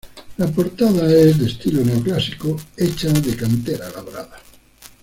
La portada es de estilo neoclásico, hecha de cantera labrada.